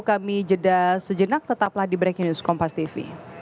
kami jeda sejenak tetaplah di breaking news kompas tv